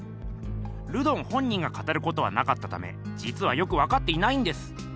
ルドン本人が語ることはなかったためじつはよくわかっていないんです。